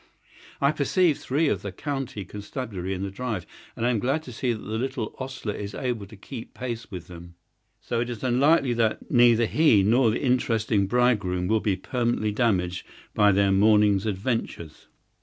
I perceive three of the county constabulary in the drive, and I am glad to see that the little ostler is able to keep pace with them; so it is likely that neither he nor the interesting bridegroom will be permanently damaged by their morning's adventures.